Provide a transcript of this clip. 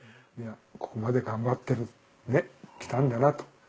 いやここまで頑張ってるね来たんだなと。